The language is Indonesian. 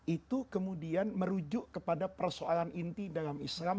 itu kemudian merujuk kepada persoalan inti dalam islam